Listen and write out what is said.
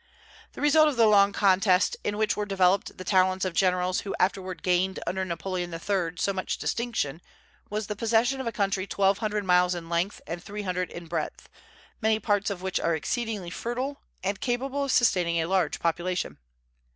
The result of the long contest, in which were developed the talents of the generals who afterward gained under Napoleon III. so much distinction, was the possession of a country twelve hundred miles in length and three hundred in breadth, many parts of which are exceedingly fertile, and capable of sustaining a large population.